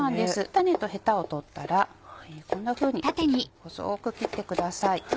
種とヘタを取ったらこんなふうに細く切ってください。